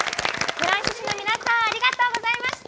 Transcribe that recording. フランシュシュの皆さんありがとうございました！